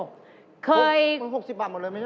มัน๖๐บาทหมดเลยไม่ใช่เหรอ